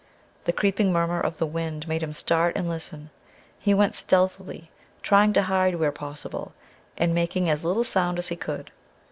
The creeping murmur of the wind made him start and listen. He went stealthily, trying to hide where possible, and making as little sound as he could.